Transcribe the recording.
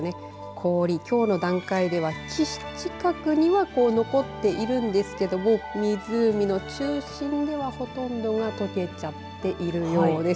氷、きょうの段階では岸近くには残っているんですけど湖の中心ではほとんどがとけてしまっているようです。